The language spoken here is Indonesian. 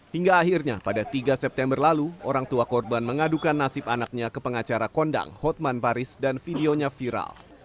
hingga akhirnya pada tiga september lalu orang tua korban mengadukan nasib anaknya ke pengacara kondang hotman paris dan videonya viral